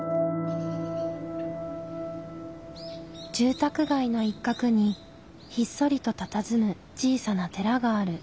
住宅街の一角にひっそりとたたずむ小さな寺がある。